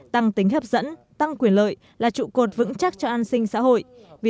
tăng tính hấp dẫn tăng quyền lợi là trụ cột vững chắc cho an sinh xã hội